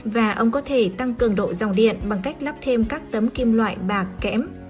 và ông có thể tăng cường độ dòng điện bằng cách lắp thêm các tấm kim loại bạc kẽm